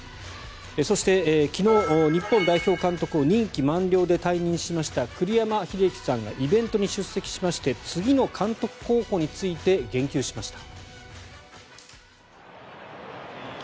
そして昨日、日本代表監督を任期満了で退任しました栗山英樹さんがイベントに出席しまして次の監督候補について言及しました。